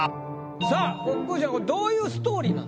さぁくーちゃんこれどういうストーリーなんですか？